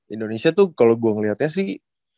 indonesia tuh kalau gue ngeliatnya sih